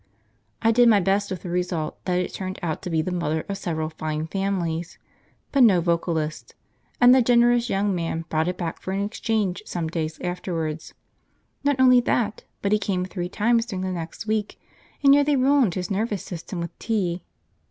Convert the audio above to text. I did my best, with the result that it turned out to be the mother of several fine families, but no vocalist, and the generous young man brought it back for an exchange some days afterwards; not only that, but he came three times during the next week and nearly ruined his nervous system with tea.